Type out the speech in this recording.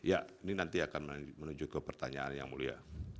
ya ini nanti akan menuju ke pertanyaan yang mulia